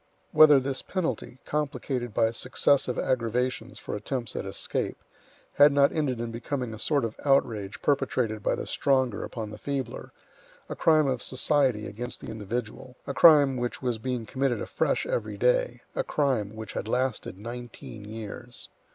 Whether this penalty, complicated by successive aggravations for attempts at escape, had not ended in becoming a sort of outrage perpetrated by the stronger upon the feebler, a crime of society against the individual, a crime which was being committed afresh every day, a crime which had lasted nineteen years.